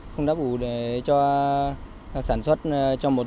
không đáp ứng để cho sản xuất